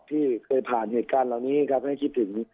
ที่เคยผ่านเหตุการณ์เหล่านี้ครับให้คิดถึง